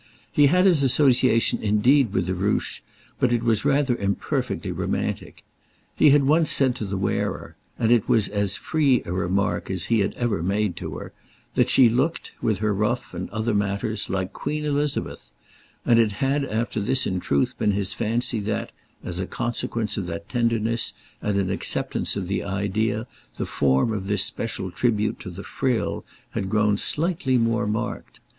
He had his association indeed with the ruche, but it was rather imperfectly romantic. He had once said to the wearer—and it was as "free" a remark as he had ever made to her—that she looked, with her ruff and other matters, like Queen Elizabeth; and it had after this in truth been his fancy that, as a consequence of that tenderness and an acceptance of the idea, the form of this special tribute to the "frill" had grown slightly more marked.